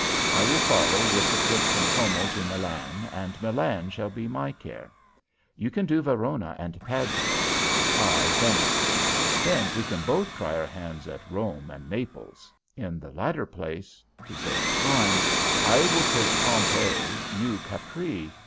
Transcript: I will follow with the trip from Como to Milan, and Milan shall be my care. You can do Verona and Padua; I Venice. Then we can both try our hands at Rome and Naples; in the latter place, to save time, I will take Pompeii, you Capri.